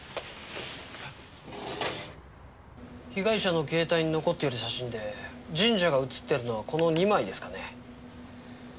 被害者の携帯に残っている写真で神社が写っているのはこの２枚ですかね。